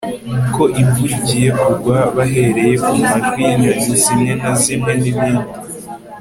ko imvura igiye kugwa bahereye ku majwi y'inyoni zimwe na zimwen'ibindi